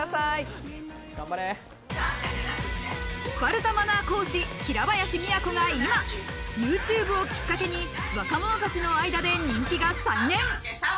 スパルタマナー講師・平林都が今、ＹｏｕＴｕｂｅをきっかけに若者たちの間で人気が再燃。